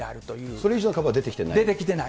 それ以上の株は出てきてない？